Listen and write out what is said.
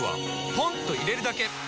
ポンと入れるだけ！